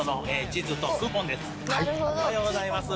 おはようございます。